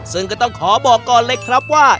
ซึ่งก็ต้องขอบอกก่อนเลยครับว่า